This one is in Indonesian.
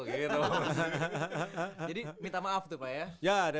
jadi minta maaf tuh pak ya